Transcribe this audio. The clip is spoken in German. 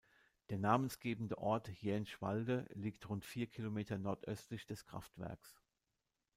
Der namensgebende Ort Jänschwalde liegt rund vier Kilometer nordöstlich des Kraftwerks.